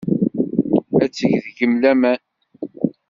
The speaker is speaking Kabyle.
Ad teg deg-m laman.